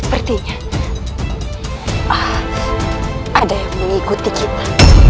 ada yang mengikuti kita